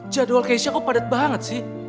jadwal keisha kok padat banget sih